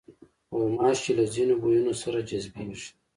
غوماشې له ځینو بویونو سره جذبېږي.